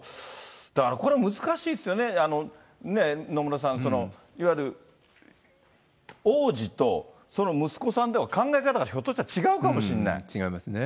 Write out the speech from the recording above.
だからこれ、難しいですよね、野村さん、いわゆる王子とその息子さんでは考え方がひょっとしたら違うかも違いますね。